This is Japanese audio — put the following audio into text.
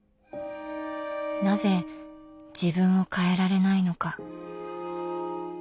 なぜ自分を変えられないのか。